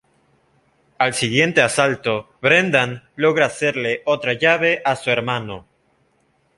Al siguiente asalto Brendan logra hacerle otra llave a su hermano.